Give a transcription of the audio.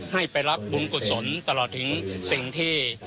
ให้ไปรับบุญกุศลตลอดถึงสิ่งที่